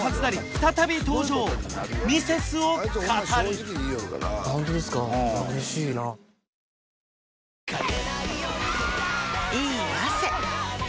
再び登場ミセスを語るいい汗。